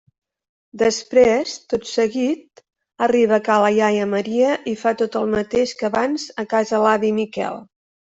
Després, tot seguit, arriba a ca la iaia Maria i fa tot el mateix que abans a casa l'avi Miquel.